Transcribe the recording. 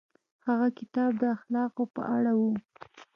هغه کتاب د اخلاقو په اړه و.